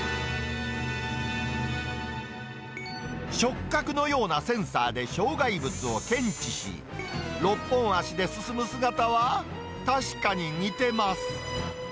触角のようなセンサーで障害物を検知し、６本足で進む姿は、確かに似てます。